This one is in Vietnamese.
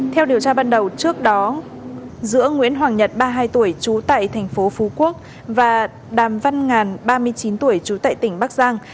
theo điều tra ban đầu trước đó giữa nguyễn hoàng nhật ba mươi hai tuổi trú tại thành phố phú quốc và đàm văn ngàn ba mươi chín tuổi trú tại tỉnh bắc giang